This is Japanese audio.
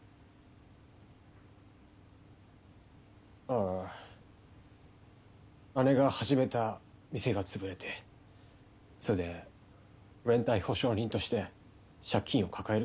ああ姉が始めた店が潰れてそれで連帯保証人として借金を抱える事になったんだ。